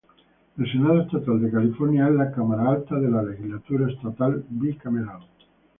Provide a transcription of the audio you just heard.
El Senado Estatal de California es la cámara alta de la Legislatura Estatal bicameral.